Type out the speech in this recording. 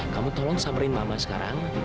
kamu tolong sabarin mama sekarang